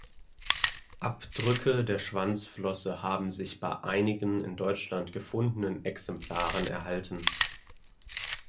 Abdrücke der Schwanzflosse haben sich bei einigen in Deutschland gefundenen Exemplaren erhalten.